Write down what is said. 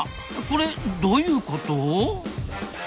これどういうこと？